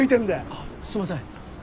あっすいません。